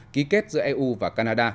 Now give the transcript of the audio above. ký kết giữa eu và canada